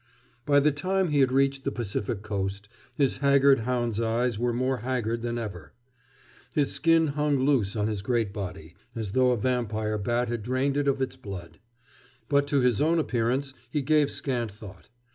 By the time he had reached the Pacific coast his haggard hound's eyes were more haggard than ever. His skin hung loose on his great body, as though a vampire bat had drained it of its blood. But to his own appearance he gave scant thought.